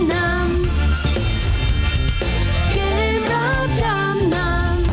เกมรับจำนำ